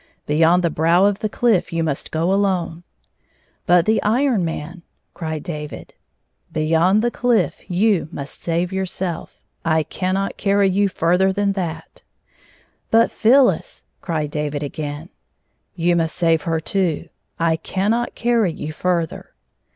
Beyond the brow of the cliff you must go alone." " But the Iron Man !" cried David. " Beyond the cliff you must save yourself. I cannot carry you fiirther than that." " But Phyllis !" cried David again. " You must save her, too. I cannot carry you further."